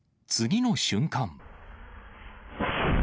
次の瞬間。